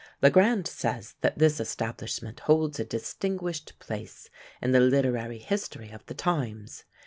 Le Grand says that this establishment holds a distinguished place in the literary history of the times.